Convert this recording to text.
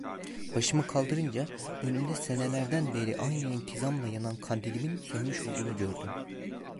Başımı kaldırınca, önümde senelerden beri aynı intizamla yanan kandilimin sönmüş olduğunu gördüm.